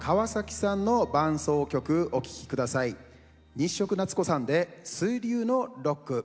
日食なつこさんで「水流のロック」。